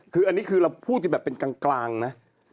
คืออันนี้คือเราพูดกันแบบเป็นกลางนะ